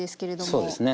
そうですね。